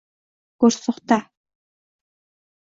Go‘rso‘xta!